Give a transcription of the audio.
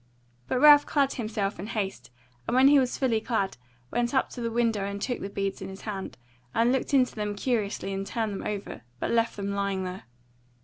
But Ralph clad himself in haste, and when he was fully clad, went up to the window and took the beads in his hand, and looked into them curiously and turned them over, but left them lying there.